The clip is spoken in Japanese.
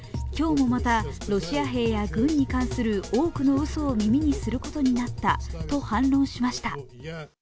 今日もまたロシア兵や軍に関する多くのうそを耳にすることになったと反論しました。